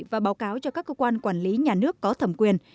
và báo cáo cho các cơ quan quản lý nhà nước có thẩm quyền